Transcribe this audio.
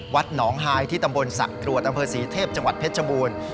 วัดหนองไฮที่ตำบลสักตรวจอำเภอสีเทพจังหวัดเพชรชมูล